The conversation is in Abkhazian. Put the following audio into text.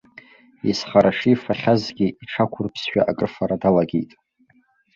Изхара шифахьазгьы, иҽақәырԥсшәа акрыфара далагеит.